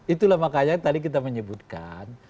itulah makanya tadi kita menyebutkan